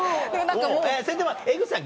それでも江口さん